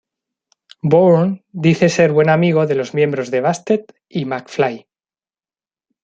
Bourne dice ser buen amigo de los miembros de Busted y McFly.